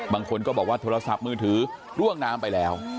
บางคนก็บอกว่าโทรศัพท์มือถือร่วงน้ำไปแล้ว